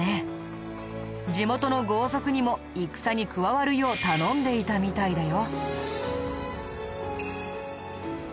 地元の豪族にも戦に加わるよう頼んでいたみたいだよ。